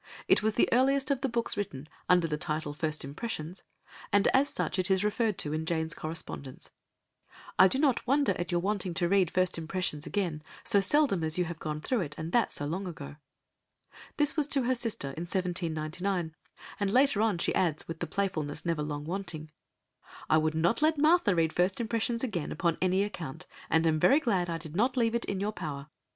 It was the earliest of the books written, under the title First Impressions, and as such it is referred to in Jane's correspondence: "I do not wonder at your wanting to read First Impressions again, so seldom as you have gone through it, and that so long ago;" this was to her sister in 1799, and later on she adds, with the playfulness never long wanting, "I would not let Martha read First Impressions again upon any account, and am very glad I did not leave it in your power.